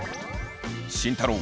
慎太郎